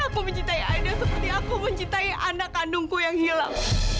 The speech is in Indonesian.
aku mencintai anda seperti aku mencintai anak kandungku yang hilang